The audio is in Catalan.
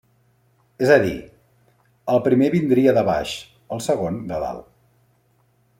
És a dir, el primer vindria de baix, el segon de dalt.